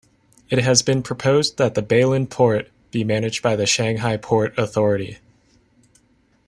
It has been proposed that Beilun port be managed by the Shanghai port authority.